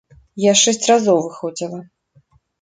Я шэсць разоў выходзіла.